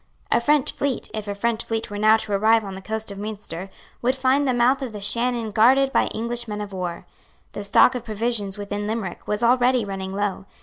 A French fleet, if a French fleet were now to arrive on the coast of Munster, would find the mouth of the Shannon guarded by English men of war. The stock of provisions within Limerick was already running low.